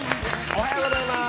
おはようございます。